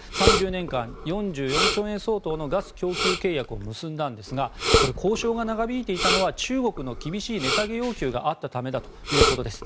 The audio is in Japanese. ３０年間４４兆円相当のガス供給契約を結んだんですが交渉が長引いていたのは中国の厳しい値下げ要求があったためだということです。